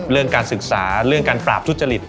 เรื่องการศึกษาเรื่องการปราบทุจริต